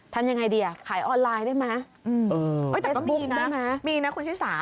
ทำยังไงดีอ่ะขายออนไลน์ได้ไหมแต่ต้องดีนะมีนะคุณชิสา